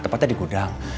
tepatnya di gudang